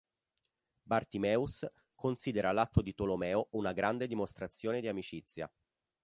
Bartimeus considera l'atto di Tolomeo una grande dimostrazione di amicizia.